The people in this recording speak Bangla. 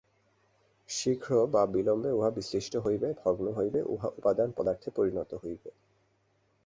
শীঘ্র বা বিলম্বে উহা বিশ্লিষ্ট হইবে, ভগ্ন হইবে, উহা উপাদান-পদার্থে পরিণত হইবে।